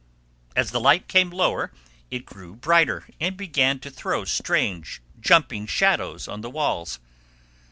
As the light came lower, it grew brighter and began to throw strange jumping shadows on the walls.